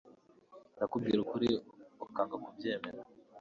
ndakubwira ukuri ukanga kubyemera